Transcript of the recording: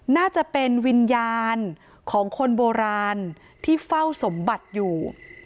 น่าจะเป็นวิญญาณของคนโบราณที่เฝ้าสมบัติอยู่